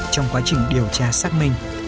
trong quá trình điều tra xác minh